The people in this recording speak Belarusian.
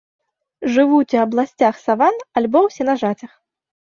Жывуць у абласцях саван альбо ў сенажацях.